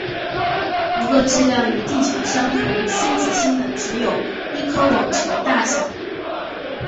一个质量与地球相同先子星的只有一颗网球大小。